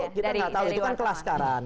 itu kita gak tahu itu kan kelas karan